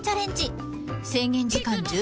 ［制限時間１２秒。